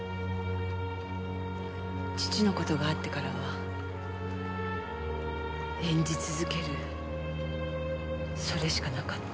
父の事があってからは演じ続けるそれしかなかった。